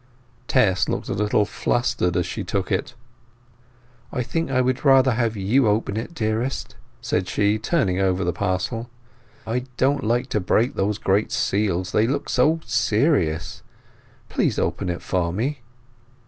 Tess looked a little flustered as she took it. "I think I would rather have you open it, dearest," said she, turning over the parcel. "I don't like to break those great seals; they look so serious. Please open it for me!"